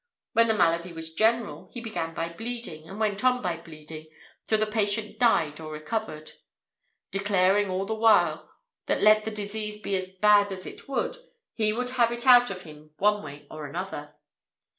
When the malady was general, he began by bleeding, and went on by bleeding, till the patient died or recovered; declaring all the while, that let the disease be as bad as it would, he would have it out of him one way or other.